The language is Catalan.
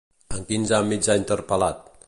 En quins àmbits ha interpretat?